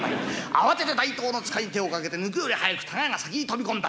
慌てて大刀の柄に手をかけて抜くより早くたがやが先に飛び込んだ。